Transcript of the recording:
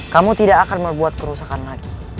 kamu tidak akan membuat kerusakan lagi